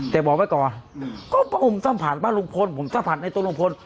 แต่บอกไว้ก่อนก็พระองค์สัมผัสบ้านลุงพลผมสัมผัสในตัวลุงพล